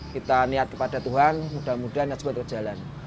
kita niat kepada tuhan mudah mudahan juga kita jalan